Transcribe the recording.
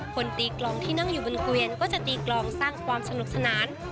คนตีกลองที่นั่งอยู่บนเกวียนก็จะตีกลองสร้างความสนุกสนาน